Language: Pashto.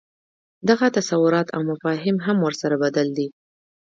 دغه تصورات او مفاهیم هم ورسره بدل دي.